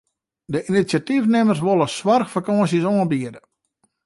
De inisjatyfnimmers wolle soarchfakânsjes oanbiede.